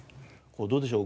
どうでしょう？